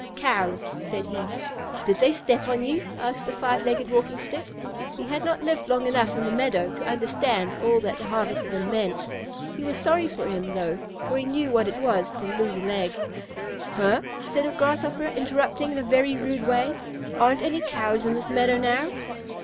"Cows," said he. "Did they step on you?" asked the Five Legged Walking Stick. He had not lived long enough in the meadow to understand all that the Harvestman meant. He was sorry for him, though, for he knew what it was to lose a leg. "Huh!" said a Grasshopper, interrupting in a very rude way, "aren't any Cows in this meadow now!"